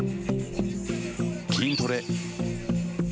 筋トレ。